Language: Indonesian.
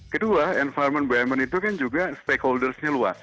kedua environment bumn itu kan juga stakeholdersnya luas